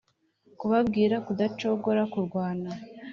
kubabwira kudacogora, kurwana,